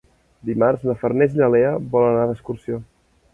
Dimarts na Farners i na Lea volen anar d'excursió.